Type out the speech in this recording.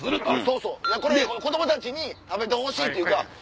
そうそうこれ子供たちに食べてほしいっていうか。